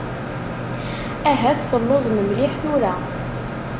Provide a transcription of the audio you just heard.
Ahat telluẓem mliḥ tura.